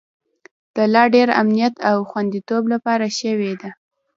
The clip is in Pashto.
د لا ډیر امنیت او خوندیتوب لپاره شوې ده